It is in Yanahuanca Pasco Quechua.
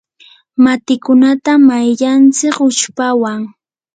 matikunata mayllantsik uchpawan.